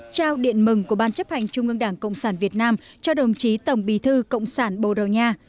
trao điện mừng của ban chấp hành trung ương đảng cộng sản việt nam cho đồng chí tổng bí thư cộng sản bồ đầu nha